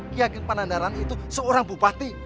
ki ageng panandaran itu seorang bupati